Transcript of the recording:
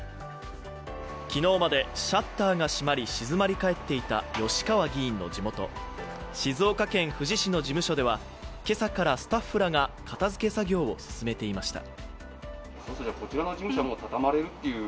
昨日までシャッターが閉まり、静まりかえっていた吉川議員の地元、静岡県富士市の事務所では今朝からスタッフらが片づけ作業を進めていました。